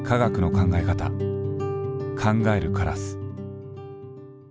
「考えるカラス」。